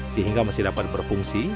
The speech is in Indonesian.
sehingga masih dapat berfungsi